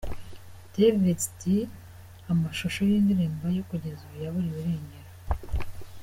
Davis D amashusho y'indirimbo ye kugeza ubu yaburiwe irengero .